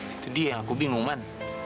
itu dia yang aku bingungan